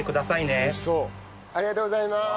ありがとうございます。